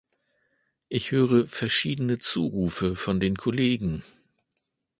Ich höre verschiedene Zurufe von den Kollegen.